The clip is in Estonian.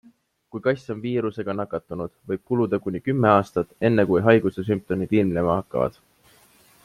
Kui kass on viirusega nakatunud, võib kuluda kuni kümme aastat, enne kui haiguse sümptomid ilmnema hakkavad.